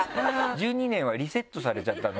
１２年はリセットされちゃったの？